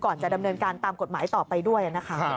จะดำเนินการตามกฎหมายต่อไปด้วยนะคะ